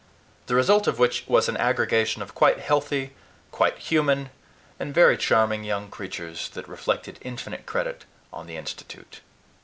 The result of which was an aggregation of quite healthy, quite human, and very charming young creatures that reflected infinite credit on the Institute.